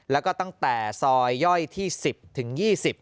แล้วก็ตั้งแต่ซอยย่อยที่๑๐ถึง๒๐